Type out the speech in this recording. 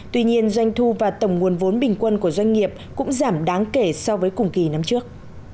tuy nhiên doanh thu và tổng nguồn vốn bình quân của doanh nghiệp cũng giảm đáng kể so với cùng kỳ năm trước